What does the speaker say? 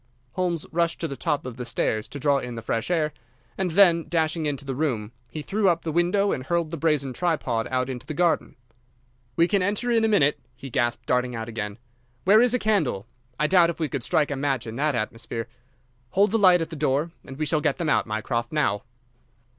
Holmes rushed to the top of the stairs to draw in the fresh air, and then, dashing into the room, he threw up the window and hurled the brazen tripod out into the garden. "We can enter in a minute," he gasped, darting out again. "Where is a candle? I doubt if we could strike a match in that atmosphere. Hold the light at the door and we shall get them out, Mycroft, now!"